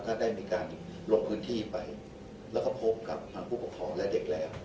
ได้มีการลงพื้นที่ไปแล้วก็พบกับทางผู้ปกครองและเด็กแล้ว